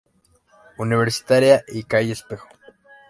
Universitaria y calle Espejo.